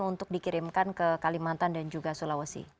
untuk dikirimkan ke kalimantan dan juga sulawesi